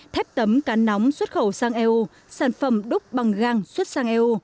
thép tấm cá nóng xuất khẩu sang eu sản phẩm đúc bằng gang xuất sang eu